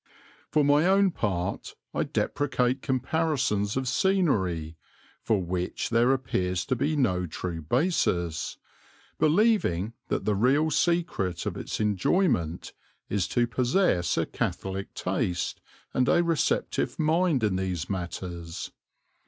For my own part I deprecate comparisons of scenery, for which there appears to be no true basis, believing that the real secret of its enjoyment is to possess a catholic taste and a receptive mind in these matters.